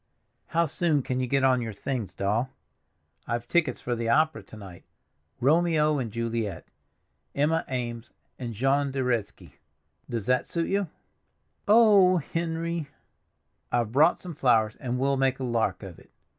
"How soon can you get on your things, Doll? I've tickets for the opera to night—'Romeo and Juliet'—Emma Eames and Jean de Reszke—does that suit you?" "Oh, Henry!" "I've brought some flowers, and we'll make a lark of it.